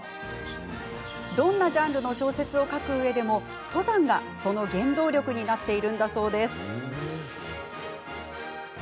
どんなジャンルの小説を書くうえでも登山が、その原動力になっているんだそうです。